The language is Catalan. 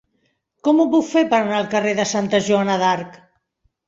Com ho puc fer per anar al carrer de Santa Joana d'Arc?